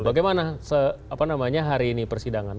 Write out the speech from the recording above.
bagaimana hari ini persidangan